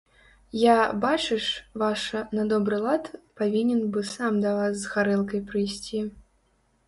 Я, бачыш, ваша, на добры лад павінен бы сам да вас з гарэлкай прыйсці.